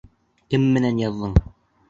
Кем менән яҙҙың?